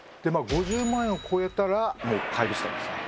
５０万円を超えたらもう怪物なんですね